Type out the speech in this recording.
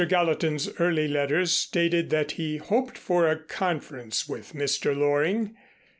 Gallatin's early letters stated that he hoped for a conference with Mr. Loring.